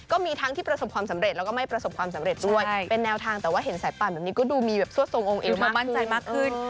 ก็มีทั้งที่ประสบความสำเร็จแล้วก็ไม่ประสบความสำเร็จด้วยเป็นแนวทางแต่ว่าเห็นสายปั่นแบบนี้ก็ดูมีแบบซวดทรงองค์เอวมามั่นใจมากขึ้น